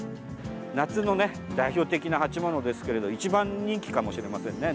夏のね、代表的な鉢物ですけれど一番人気かもしれませんね。